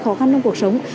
khó khăn trong cuộc sống